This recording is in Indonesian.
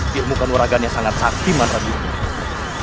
dia bukan waragannya sangat sakti mansadir